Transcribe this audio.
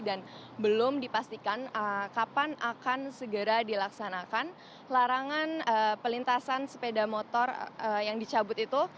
dan belum dipastikan kapan akan segera dilaksanakan larangan pelintasan sepeda motor yang dicabut itu